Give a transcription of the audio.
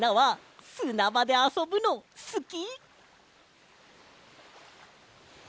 ぼくすなばであそぶのだいすき！